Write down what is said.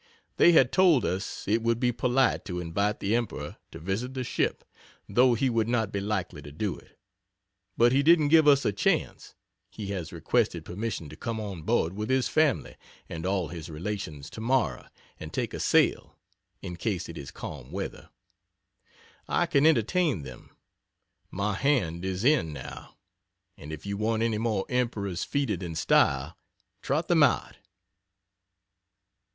] They had told us it would be polite to invite the Emperor to visit the ship, though he would not be likely to do it. But he didn't give us a chance he has requested permission to come on board with his family and all his relations tomorrow and take a sail, in case it is calm weather. I can, entertain them. My hand is in, now, and if you want any more Emperors feted in style, trot them out.